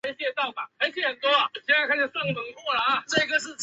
林福喜为中国清朝武官。